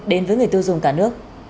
đến với người tiêu dùng cả nước